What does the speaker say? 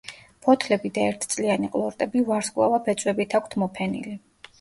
ფოთლები და ერთწლიანი ყლორტები ვარსკვლავა ბეწვებით აქვთ მოფენილი.